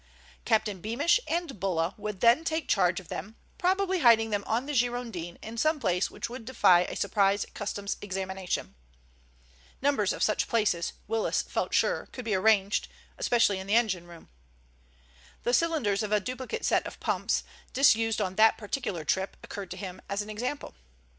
Captain Beamish and Bulla would then take charge of them, probably hiding them on the Girondin in some place which would defy a surprise Customs examination. Numbers of such places, Willis felt sure, could be arranged, especially in the engine room. The cylinders of a duplicate set of pumps, disused on that particular trip, occurred to him as an example.